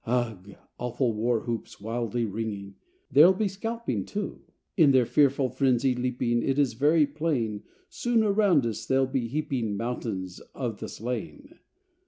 Ugh! Awful war whoops wildly ringing! There'll be scalping, too! In their fearful frenzy leaping, It is very plain Soon around us they'll be heaping Mountains of the slain!